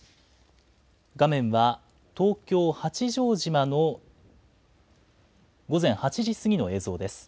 画面は東京八丈島の午前８時過ぎの映像です。